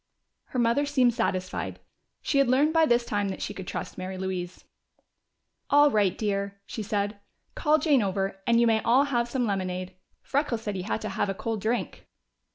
Her mother seemed satisfied. She had learned by this time that she could trust Mary Louise. "All right, dear," she said. "Call Jane over, and you may all have some lemonade. Freckles said he had to have a cold drink."